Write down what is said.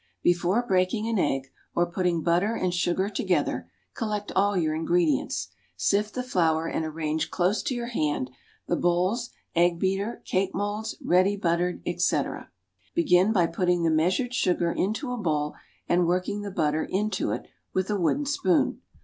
Before breaking an egg, or putting butter and sugar together, collect all your ingredients. Sift the flour and arrange close to your hand, the bowls, egg beater, cake moulds, ready buttered, etc. Begin by putting the measured sugar into a bowl, and working the butter into it with a wooden spoon.